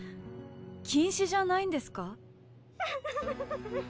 近視じゃないんですか？